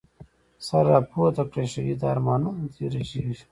سر راپورته کړه شهیده، ارمانونه دي رژیږی